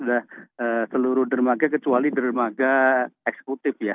oleh seluruh dermaga kecuali dermaga eksekutif ya